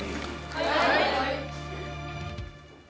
はい。